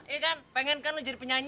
iya kan pengen kan lo jadi penyanyi